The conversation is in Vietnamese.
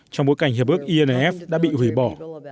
trong bối cảnh hiệp ước inf đã bị hủy bỏ